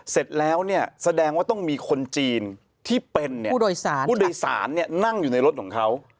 เสร็จแล้วเนี่ยแสดงว่าต้องมีคนจีนที่เป็นเนี่ยผู้โดยสารเนี่ยนั่งอยู่ในรถของเขา